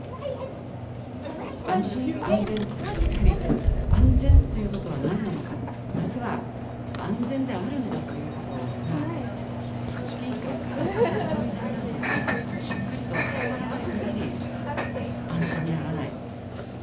安心・安全、やはり安全ということはなんなのか、まずは安全であるんだということが、組織委員会から国民の皆さんにしっかりと伝わらないかぎり、安心にならない。